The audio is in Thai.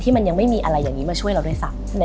มันยังไม่มีอะไรอย่างนี้มาช่วยเราด้วยซ้ำ